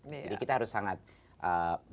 jadi kita harus sangat sangat